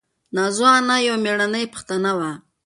نازو انا یوه مېړنۍ پښتنه وه.